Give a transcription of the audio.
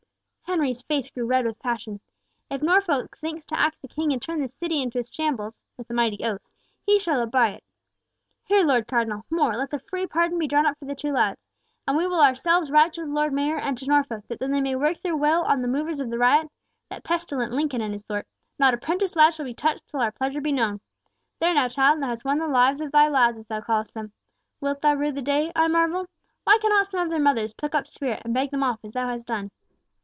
Henry's face grew red with passion. "If Norfolk thinks to act the King, and turn the city into a shambles,"—with a mighty oath—"he shall abye it. Here, Lord Cardinal—more, let the free pardon be drawn up for the two lads. And we will ourselves write to the Lord Mayor and to Norfolk that though they may work their will on the movers of the riot—that pestilent Lincoln and his sort—not a prentice lad shall be touched till our pleasure be known. There now, child, thou hast won the lives of thy lads, as thou callest them. Wilt thou rue the day, I marvel? Why cannot some of their mothers pluck up spirit and beg them off as thou hast done?"